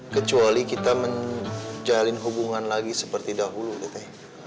kecuali kita menjalin hubungan lagi seperti dahulu tete